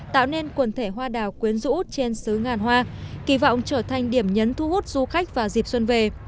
tạo nên quần thể hoa đào quyến rũ trên xứ ngàn hoa kỳ vọng trở thành điểm nhấn thu hút du khách vào dịp xuân về